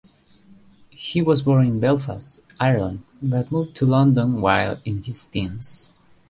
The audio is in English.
He was born in Belfast, Ireland but moved to London while in his teens.